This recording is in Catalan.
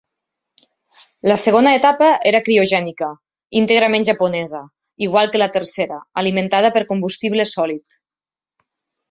La segona etapa era criogènica, íntegrament japonesa, igual que la tercera, alimentada per combustible sòlid.